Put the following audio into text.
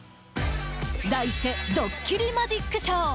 題してドッキリマジックショー。